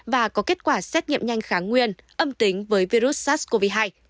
và có kết quả xét nghiệm nhanh kháng nguyên âm tính với virus sars cov hai